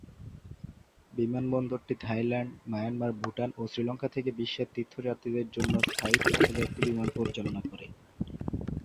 বিমানবন্দরটি Thailand, Myanmar, Bhutan ও শ্রীলঙ্কা থেকে বিশ্বের তীর্থযাত্রীদের জন্য স্থায়ী তীর্থযাত্রী বিমান পরিচালনা করে।